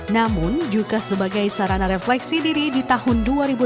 namun juga sebagai sarana refleksi diri di tahun dua ribu delapan belas